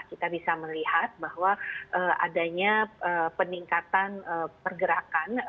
kita bisa melihat bahwa adanya peningkatan pergerakan